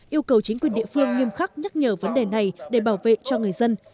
yêu cầu chính quyền địa phương nghiêm khắc nhắc nhở vấn đề này để bảo vệ cho người dân